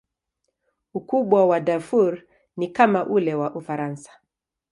Ukubwa wa Darfur ni kama ule wa Ufaransa.